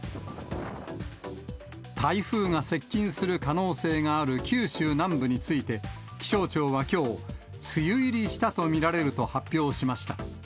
台風が接近する可能性がある九州南部について、気象庁はきょう、梅雨入りしたと見られると発表しました。